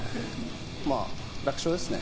まあ楽勝ですね。